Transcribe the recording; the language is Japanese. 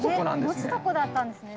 持つとこだったんですね。